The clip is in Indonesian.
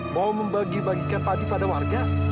mau membagi bagikan padi pada warga